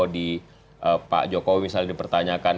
di pak jokowi misalnya dipertanyakan